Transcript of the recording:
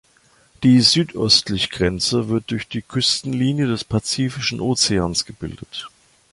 Die südöstlich Grenze wird durch die Küstenlinie des Pazifischen Ozeans gebildet.